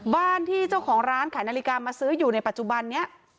บ้านที่เจ้าของร้านขายนาฬิกามาซื้ออยู่ในปัจจุบันนี้